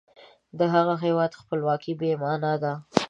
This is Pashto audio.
د هغه هیواد خپلواکي بې معنا ده.